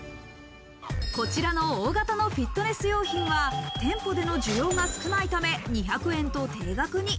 こちらの大型のフィットネス用品は、店舗での需要が少ないため２００円と低額に。